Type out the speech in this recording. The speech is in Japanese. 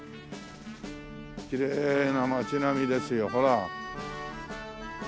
きれいな町並みですよほら。